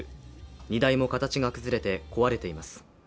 荷台も形が崩れて壊れています。